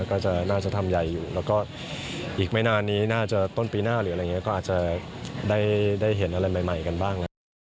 ก็จะน่าจะทำใหญ่อยู่แล้วก็อีกไม่นานนี้น่าจะต้นปีหน้าหรืออะไรอย่างนี้ก็อาจจะได้เห็นอะไรใหม่กันบ้างนะครับ